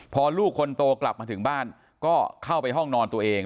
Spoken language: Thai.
พอลูกคนโตกลับมาถึงบ้านก็เข้าไปห้องนอนตัวเอง